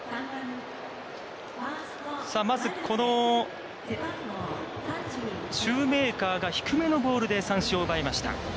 さあまず、このシューメーカーが低めのボールで三振を奪いました。